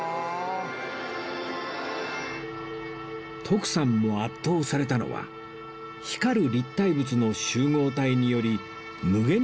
徳さんも圧倒されたのは光る立体物の集合体によりへえ！